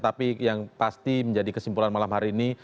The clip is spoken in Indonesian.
tapi yang pasti menjadi kesimpulan malam hari ini